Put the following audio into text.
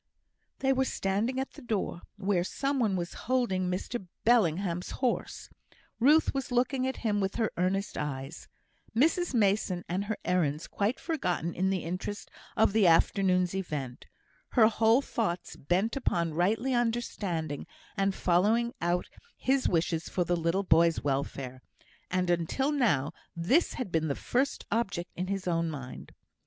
They were standing at the door, where some one was holding Mr Bellingham's horse. Ruth was looking at him with her earnest eyes (Mrs Mason and her errands quite forgotten in the interest of the afternoon's event), her whole thoughts bent upon rightly understanding and following out his wishes for the little boy's welfare; and until now this had been the first object in his own mind.